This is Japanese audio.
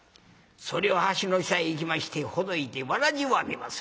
それを橋の下へ行きましてほどいて草鞋を編みます。